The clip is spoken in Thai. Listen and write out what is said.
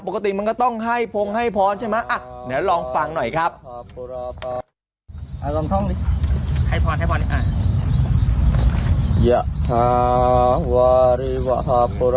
ปกติมันก็ต้องให้พงให้พรใช่ไหมเดี๋ยวลองฟังหน่อยครับ